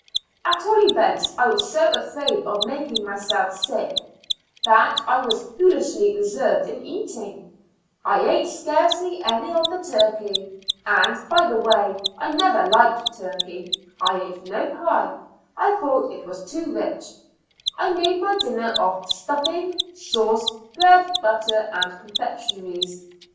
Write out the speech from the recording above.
At all events, I was so afraid of making myself sick, that I was foolishly reserved in eating ; I ate scarcely any of the turkey, and, by the way, I never liked turkey ; I ate no pie, I thought it was too rich ; I made my dinner of stuffing, sauce, bread, butter, and confectioneries.